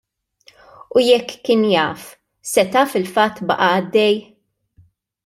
U jekk kien jaf, seta' fil-fatt baqa' għaddej?